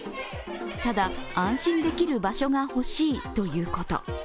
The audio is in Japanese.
ただ安心できる場所がほしいということ。